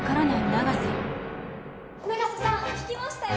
永瀬さん聞きましたよ。